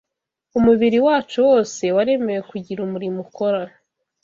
Umubiri wacu wose waremewe kugira umurimo ukora